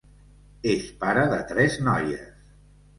És pare de tres noies.